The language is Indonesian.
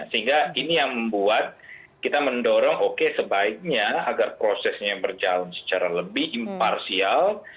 sehingga ini yang membuat kita mendorong oke sebaiknya agar prosesnya berjalan secara lebih imparsial